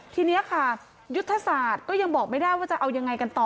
ทีนี้ค่ะยุทธศาสตร์ก็ยังบอกไม่ได้ว่าจะเอายังไงกันต่อ